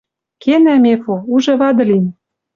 Кенӓ, Мефо, уже вады лин...»